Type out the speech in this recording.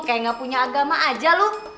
kayak gak punya agama aja loh